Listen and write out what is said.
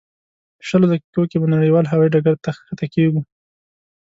شلو دقیقو کې به نړیوال هوایي ډګر ته ښکته کېږو.